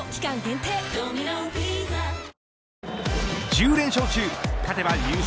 １０連勝中、勝てば優勝